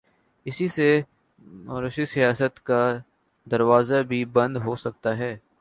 اسی سے موروثی سیاست کا دروازہ بھی بند ہو سکتا ہے۔